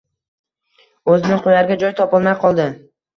O`zini qo`yarga joy topolmay qoldi